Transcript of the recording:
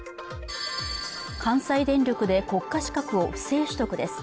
関西電力で国家資格を不正取得です